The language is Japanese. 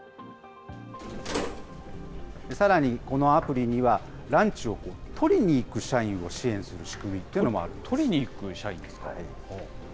さらにこのアプリには、ランチを取りにいく社員を支援する仕組みというのもあるんです。